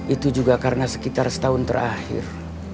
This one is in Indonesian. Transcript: itu juga karena sekitar setahun terakhir